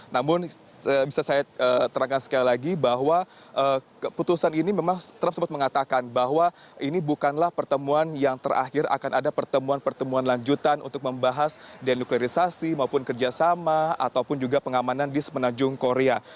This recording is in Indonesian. namun bisa saya terangkan sekali lagi bahwa keputusan ini memang trump sempat mengatakan bahwa ini bukanlah pertemuan yang terakhir akan ada pertemuan pertemuan lanjutan untuk membahas denuklerisasi maupun kerjasama ataupun juga pengamanan di semenanjung korea